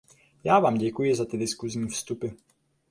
Já vám děkuji za ty diskusní vstupy.